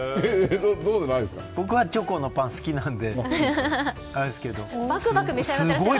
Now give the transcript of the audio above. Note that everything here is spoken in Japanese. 僕はチョコのパン好きなんで。